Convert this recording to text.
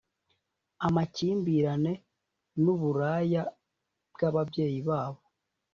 amakimbirane n’uburaya bw’ababyeyi babo